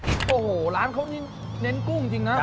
โอ้โหร้านเขานี่เน้นกุ้งจริงนะ